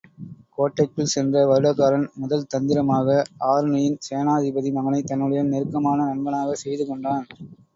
கோட்டைக்குள் சென்ற வருடகாரன், முதல் தந்திரமாக ஆருணியின் சேனாபதி மகனைத் தன்னுடைய நெருக்கமான நண்பனாகச் செய்து கொண்டான்.